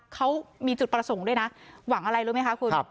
เขามีจุดประสงค์ด้วยนะหวังอะไรรู้ไหมคะคุณ